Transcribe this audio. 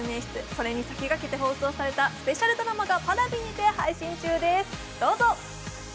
それに先駆けて放送されたスペシャルドラマがＰａｒａｖｉにて配信中です。